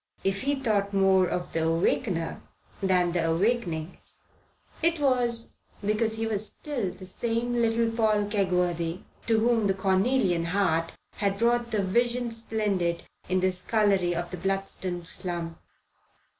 If he thought more of the awakener than the awakening, it was because he was the same little Paul Kegworthy to whom the cornelian heart had brought the Vision Splendid in the scullery of the Bludston slum.